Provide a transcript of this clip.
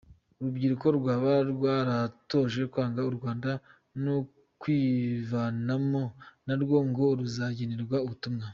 Urubyiruko rwaba rwaratojwe kwanga u Rwanda no kurwivanamo, narwo ngo ruzagenerwa ubutumwa.